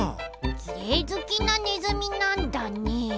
きれいずきなネズミなんだね。